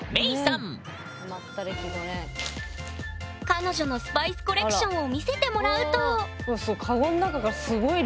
彼女のスパイスコレクションを見せてもらうとうわすごい。